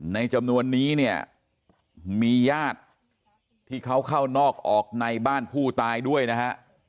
ในจำนวนนี้เนี่ยมีญาติที่เขาเข้านอกออกในบ้านผู้ตายด้วยนะฮะ